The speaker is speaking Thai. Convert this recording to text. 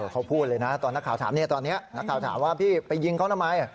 เขาพูดเลยนะตอนนักข่าวถามตอนนี้นักข่าวถามว่าพี่ไปยิงเขาทำไม